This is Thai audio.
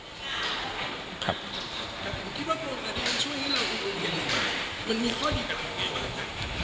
ผมคิดว่าโครงการิมันช่วยให้เราอุดอุดเหมือนกันมันมีข้อดีกว่าอย่างไรครับ